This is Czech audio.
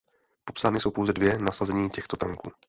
Popsány jsou pouze dvě nasazení těchto tanků.